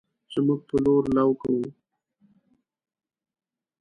زمونږ په لور لو کوو